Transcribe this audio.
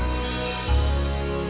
eh teman teman tolong